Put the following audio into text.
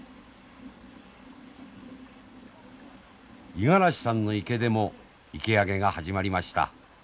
五十嵐さんの池でも池上げが始まりました。